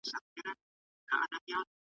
بېوفا! ته خو یوازې ورستنه شوې